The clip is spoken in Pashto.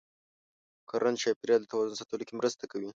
کرنه د چاپېریال د توازن ساتلو کې مرسته کوي.